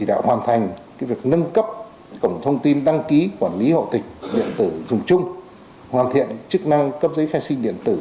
thông tin đăng ký quản lý hộ tịch điện tử dùng chung hoàn thiện chức năng cấp giấy khai sinh điện tử